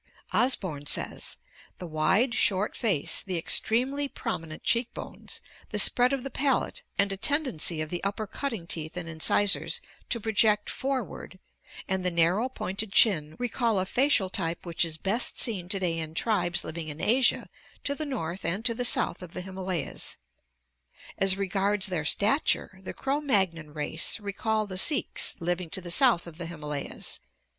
Osborn says: "The wide, short face, the extremely prominent cheekbones, 1 The tallest living races of n whose height averages 5 feet i THE EVOLUTION OF MAN 683 the spread of the palate and a tendency of the upper cutting teeth and incisors to project forward, and the narrow, pointed chin recall a facial type which is best seen to day in tribes living in Asia to the north and to the south of the Himalayas. Asre garda their stature the Cro Magnon race recall the Sikhs living to the south of the Himalayas.